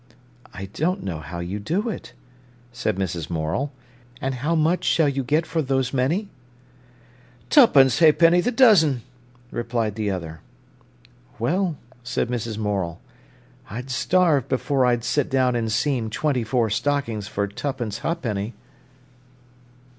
"I don't know how you do it," said Mrs. Morel. "And how much shall you get for those many?" "Tuppence ha'penny a dozen," replied the other. "Well," said Mrs. Morel. "I'd starve before I'd sit down and seam twenty four stockings for twopence ha'penny."